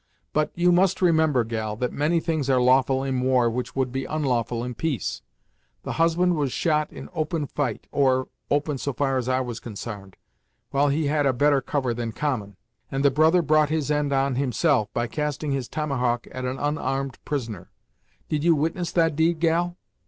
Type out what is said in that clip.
But, you must remember, gal, that many things are lawful in war, which would be onlawful in peace. The husband was shot in open fight or, open so far as I was consarned, while he had a better cover than common and the brother brought his end on himself, by casting his tomahawk at an unarmed prisoner. Did you witness that deed, gal?"